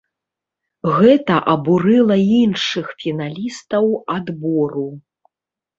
Гэта абурыла іншых фіналістаў адбору.